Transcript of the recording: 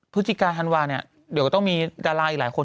พฤศจิกาธันวาเนี่ยเดี๋ยวก็ต้องมีดาราอีกหลายคน